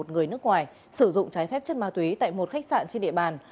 một người nước ngoài sử dụng trái phép chất ma túy tại một khách sạn trên địa bàn